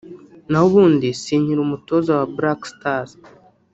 naho ubundi si nkiri umutoza wa Black stars”